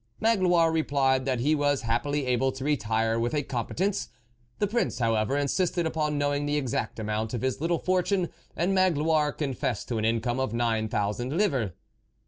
Magloire replied that he was happily able to retire with a competence ; the Prince, however, insisted upon knowing the exact amount of his little fortune, and Magloire confessed to an income of nine thousand livres.